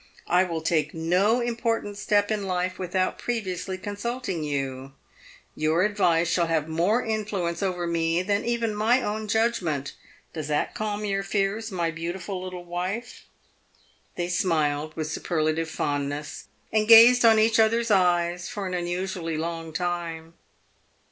I will take no important step in life without pre viously consulting you. Tour advice shall have more influence over me than even my own judgment. Does that calm your fears, my beautiful little wife ?" They smiled with superlative fondness, and gazed on each other's eyes for an unusually long time.